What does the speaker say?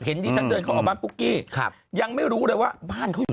ดิฉันเดินเข้าออกบ้านปุ๊กกี้ครับยังไม่รู้เลยว่าบ้านเขาอยู่